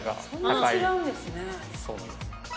そんな違うんですね。